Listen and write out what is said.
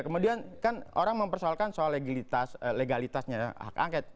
kemudian kan orang mempersoalkan soal legalitasnya hak angket